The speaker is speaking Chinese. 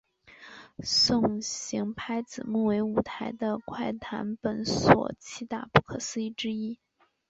送行拍子木为舞台的怪谈本所七大不可思议之一。